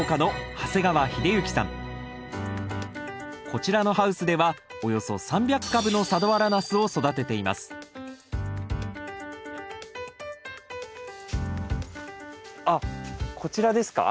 こちらのハウスではおよそ３００株の佐土原ナスを育てていますあっこちらですか？